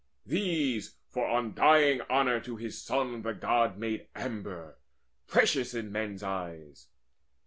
These, for undying honour to his son, The God made amber, precious in men's eyes.